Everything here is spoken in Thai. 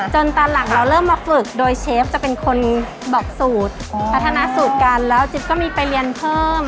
ตอนหลังเราเริ่มมาฝึกโดยเชฟจะเป็นคนบอกสูตรพัฒนาสูตรกันแล้วจิ๊บก็มีไปเรียนเพิ่ม